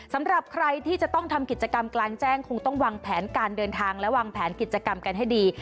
สำหรับใครที่จะต้องทำกิจกรรมกลางแจ้งคงต้องวางแผนการเดินทางและวางแผนกิจกรรมกันให้ดี